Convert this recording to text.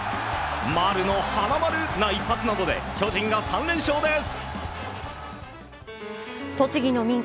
丸の花丸な一発などで巨人が３連勝です。